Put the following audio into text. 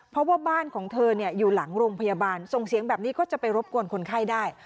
เพราะว่าบ้านของเธออยู่หลังโรงพยาบาลส่งเสียงแบบนี้ก็จะไปรบกวนคนไข้ได้